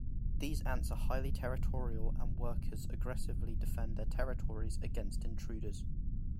These ants are highly territorial and workers aggressively defend their territories against intruders.